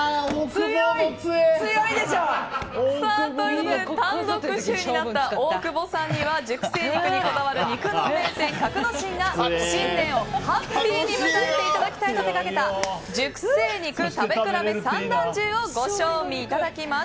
強いでしょ！ということで単独首位になった大久保さんには熟成肉にこだわる肉の名店、格之進が新年をハッピーに迎えていただきたいと手がけた熟成肉食べ比べ三段重をご賞味いただきます。